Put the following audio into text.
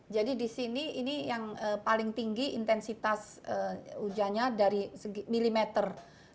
jadi di sini ini yang paling tinggi intensitas hujanya dari milimeter